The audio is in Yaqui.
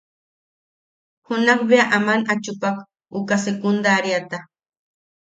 Junak bea aman a chupak uka sekundariata.